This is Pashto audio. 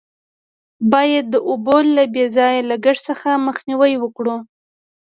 باید د اوبو له بې ځایه لگښت څخه مخنیوی وکړو.